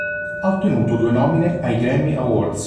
Ha ottenuto due nomine ai Grammy Awards.